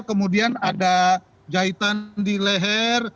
kemudian ada jahitan di leher